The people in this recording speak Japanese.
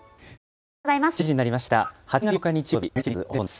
おはようございます。